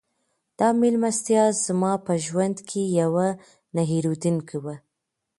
دا مېلمستیا زما په ژوند کې یوه نه هېرېدونکې وه.